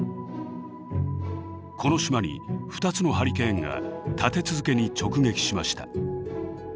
この島に２つのハリケーンが立て続けに直撃しました。